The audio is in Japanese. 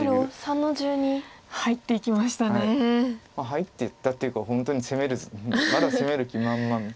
入っていったというか本当に攻めるまだ攻める気満々。